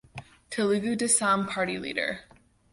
Telugu Desam Party leader.